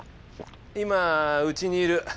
今うちにいる。